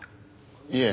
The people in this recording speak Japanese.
いえ。